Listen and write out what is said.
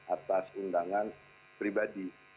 atas undangan pribadi